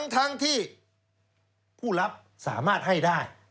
ทั้งที่ผู้รับสามารถให้ได้